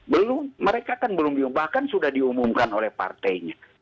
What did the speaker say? belum mereka kan belum diumum bahkan sudah diumumkan oleh partainya